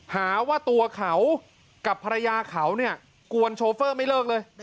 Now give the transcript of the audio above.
หาว่าตัวเขากับภรรยาเขาเนี่ยกวนโชเฟอร์ไม่เลิกเลย